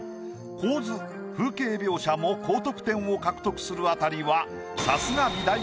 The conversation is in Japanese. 構図風景描写も高得点を獲得するあたりは。